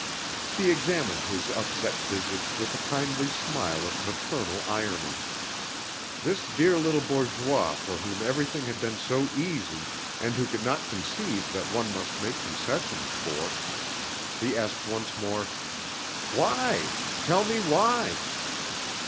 She examined his upset visage with a kindly smile of maternal irony; this dear little bourgeois for whom everything had been so easy and who could not conceive that one must make concessions for.... He asked once more: "Why? Tell me, why?"